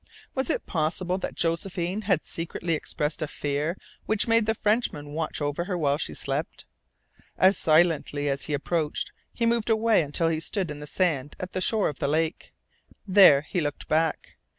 Was it possible that Josephine had secretly expressed a fear which made the Frenchman watch over her while she slept? As silently as he had approached he moved away until he stood in the sand at the shore of the lake. There he looked back.